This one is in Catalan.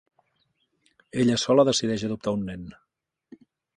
Ella sola decideix adoptar un nen.